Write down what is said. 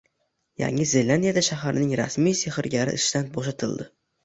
Yangi Zelandiyada shaharning rasmiy sehrgari ishdan bo‘shatildi